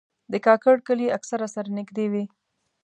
د کاکړ کلي اکثره سره نږدې وي.